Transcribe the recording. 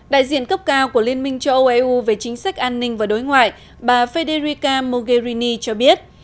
đại diện cấp cao của liên minh châu âu eu về chính sách an ninh và đối ngoại bà federica mogherini cho biết